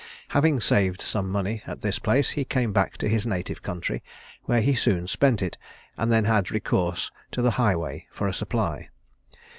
Having saved some money at this place, he came back to his native country, where he soon spent it, and then had recourse to the highway for a supply.